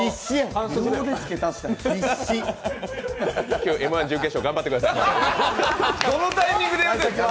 今日、Ｍ−１準決勝頑張ってください。